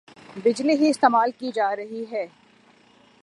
بجلی ہی استعمال کی جارہی ھے